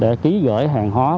để ký giỏi hàng hóa